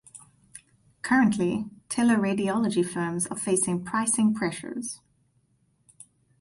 Currently, teleradiology firms are facing pricing pressures.